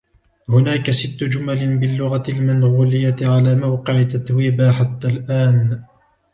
هناك ست جمل باللغة المنغولية على موقع تتويبا حتى الآن.